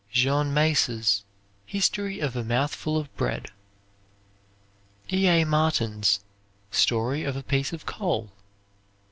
Jean Mace's "History of a Mouthful of Bread." E. A. Martin's "Story of a Piece of Coal."